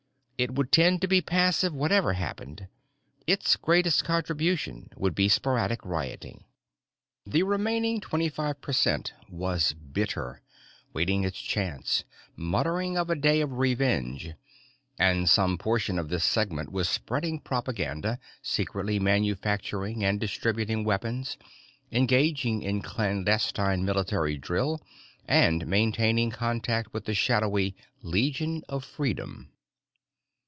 It would tend to be passive whatever happened. Its greatest contribution would be sporadic rioting. The remaining twenty five per cent was bitter, waiting its chance, muttering of a day of revenge and some portion of this segment was spreading propaganda, secretly manufacturing and distributing weapons, engaging in clandestine military drill, and maintaining contact with the shadowy Legion of Freedom.